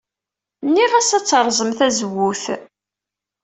Nniɣ-as ad terẓem tazewwut.